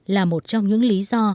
là một trong những lý do